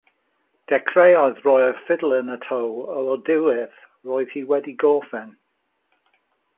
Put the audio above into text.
Dechreuodd roi'r ffidil yn y to o'r diwedd; roedd hi wedi gorffen.